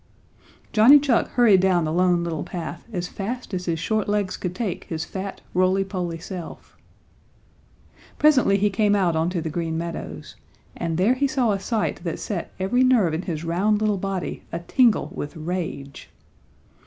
Johnny Chuck hurried down the Lone Little Path as fast as his short legs could take his fat, rolly poly self. Presently he came out onto the Green Meadows, and there he saw a sight that set every nerve in his round little body a tingle with rage.